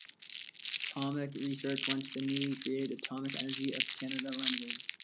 Atomic research went to the newly created Atomic Energy of Canada Limited.